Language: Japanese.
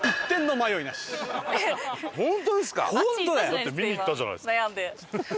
だって見に行ったじゃないですか。